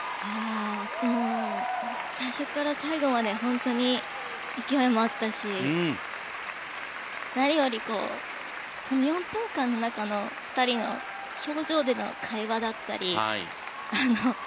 最初から最後まで本当に勢いもあったし何よりこの４分間の中の２人の表情での会話だったり。